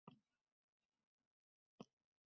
Tekshiruv natijasi shuni koʻrsatdi.